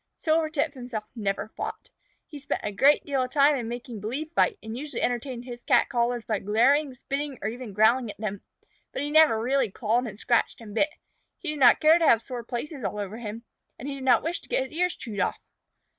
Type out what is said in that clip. Silvertip himself never fought. He spent a great deal of time in making believe fight, and usually entertained his Cat callers by glaring, spitting, or even growling at them, but he never really clawed and scratched and bit. He did not care to have sore places all over him, and he did not wish to get his ears chewed off.